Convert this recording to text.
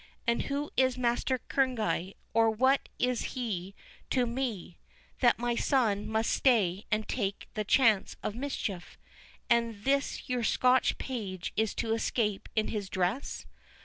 And who is Master Kerneguy, or what is he to me, that my son must stay and take the chance of mischief, and this your Scotch page is to escape in his dress?